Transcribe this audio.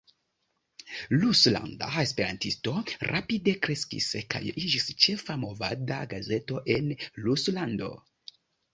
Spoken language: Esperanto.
Ruslanda Esperantisto rapide kreskis kaj iĝis la ĉefa movada gazeto en Ruslando.